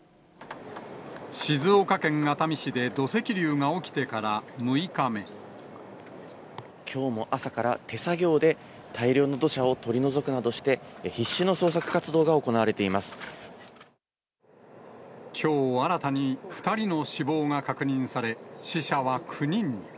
静岡県熱海市で土石流が起ききょうも朝から、手作業で大量の土砂を取り除くなどして、必死の捜索活動が行われきょう、新たに２人の死亡が確認され、死者は９人に。